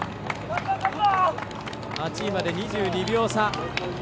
８位まで２２秒差。